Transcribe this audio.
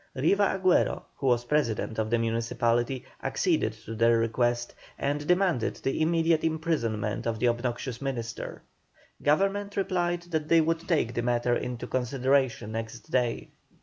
Riva Agüero, who was president of the municipality, acceded to their request, and demanded the immediate imprisonment of the obnoxious minister. Government replied that they would take the matter into consideration next day.